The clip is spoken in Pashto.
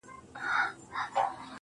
ما چي د ميني په شال ووهي ويده سمه زه~